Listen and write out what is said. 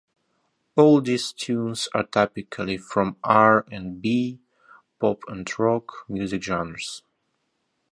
Oldies tunes are typically from R and B, pop and rock music genres.